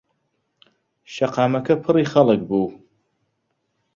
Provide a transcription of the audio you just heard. شەقاکەمە پڕی خەڵک بوو.